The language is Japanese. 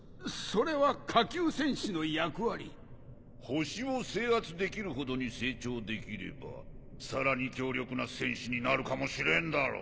星を制圧できるほどに成長できればさらに強力な戦士になるかもしれんだろ。